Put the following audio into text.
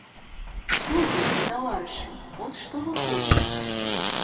Слухайце, таварышы, от што выходзіць.